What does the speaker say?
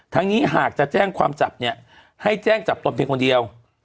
นี้หากจะแจ้งความจับเนี่ยให้แจ้งจับตนเพียงคนเดียว